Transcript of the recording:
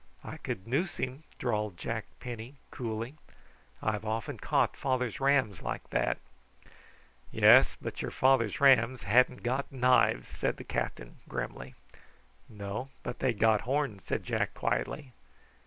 "I could noose him," drawled Jack Penny coolly. "I've often caught father's rams like that." "Yes, but your father's rams hadn't got knives," said the captain grimly. "No, but they'd got horns," said Jack quietly.